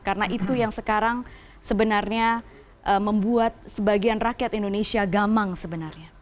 karena itu yang sekarang sebenarnya membuat sebagian rakyat indonesia gamang sebenarnya